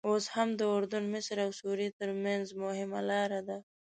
اوس هم د اردن، مصر او سوریې ترمنځ مهمه لاره ده.